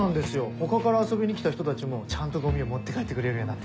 他から遊びに来た人たちもちゃんとゴミを持って帰ってくれるようになって。